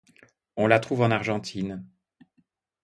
On la trouve en Argentine.